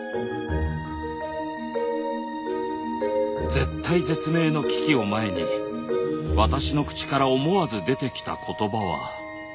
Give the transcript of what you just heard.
絶体絶命の危機を前に私の口から思わず出てきた言葉は。